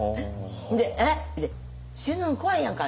で「えっ？死ぬん怖いやんか」って。